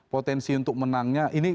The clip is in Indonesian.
potensi untuk menangnya